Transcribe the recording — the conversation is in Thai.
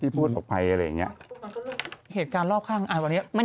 ที่พูดออกไปอะไรอย่างงี้